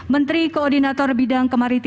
menteri koordinator bidang kemaritimasi